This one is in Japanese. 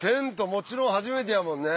もちろん初めてやもんね。